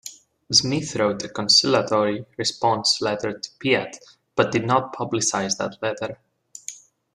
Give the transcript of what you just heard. Smith wrote a conciliatory response letter to Piatt, but did not publicize that letter.